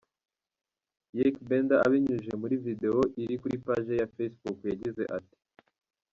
Ykee Benda abinyujije muri Video iri kuri Paji ye ya Facebook yagize ati:.